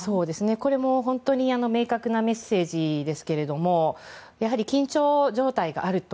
これも明確なメッセージですけれどもやはり緊張状態があると。